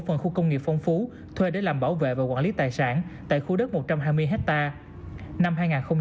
phần khu công nghiệp phong phú thuê để làm bảo vệ và quản lý tài sản tại khu đất một trăm hai mươi ha năm hai nghìn một mươi tám